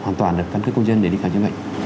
hoàn toàn là căn cước công dân để đi khám chữa bệnh